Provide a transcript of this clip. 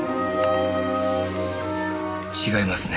違いますね。